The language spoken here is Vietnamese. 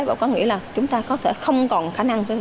và có nghĩa là chúng ta có thể không còn khả năng